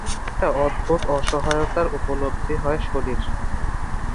একটা অদ্ভুত অসহায়তার উপলব্ধি হয় শশীর।